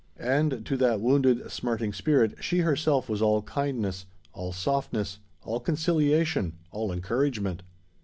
And to that wounded, smarting spirit she herself was all kindness—all softness—all conciliation—all encouragement.